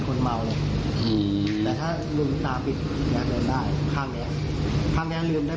ทำให้เราเป็นอย่างนี้